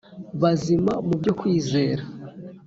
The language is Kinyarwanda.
Bazima mu byo kwizera